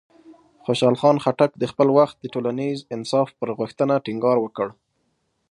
خوشحال خان خټک د خپل وخت د ټولنیز انصاف پر غوښتنه ټینګار وکړ.